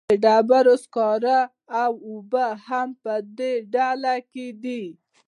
د ډبرو سکاره او اوبه هم په دې ډله کې دي.